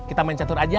kita main catur aja